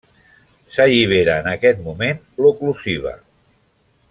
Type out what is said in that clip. S'allibera en aquest moment l'oclusiva.